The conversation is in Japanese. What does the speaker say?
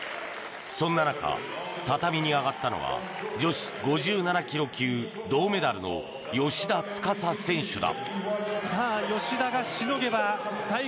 そんな中、畳に上がったのは女子５７ｋｇ級銅メダルの芳田司選手だ。